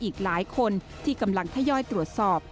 อีกหลายคนที่กำลังทยอยตรวจสอบ